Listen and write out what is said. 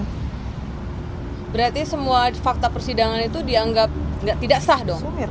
hai berarti semua fakta persidangan itu dianggap tidak tidak sah dong mirip mirip mirip